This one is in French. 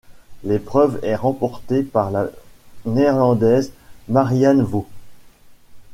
L'épreuve est remportée par la Néerlandaise Marianne Vos.